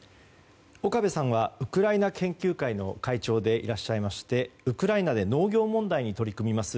岡部さんはウクライナ研究会の会長でいらっしゃいましてウクライナで農業問題に取り組みます